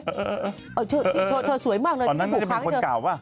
เธอสวยมากเลยว่าที่ังผูกครั้งนี้ตอนนั้นมีคนเก่ามั้ย